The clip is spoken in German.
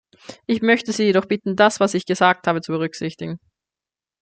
Ich möchte Sie doch bitten, das, was ich gesagt habe, zu berücksichtigen.